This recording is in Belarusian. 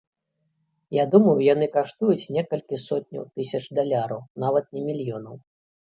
Я думаю, яны каштуюць некалькі сотняў тысяч даляраў, нават не мільёнаў.